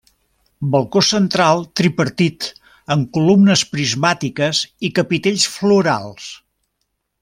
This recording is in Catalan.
Balcó central tripartit amb columnes prismàtiques i capitells florals.